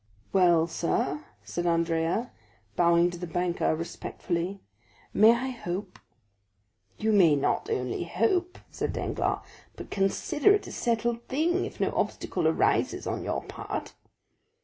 "Well, sir," said Andrea, bowing to the banker respectfully, "may I hope?" "You may not only hope," said Danglars, "but consider it a settled thing, if no obstacle arises on your part."